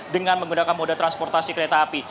dengan menggunakan moda transportasi kereta api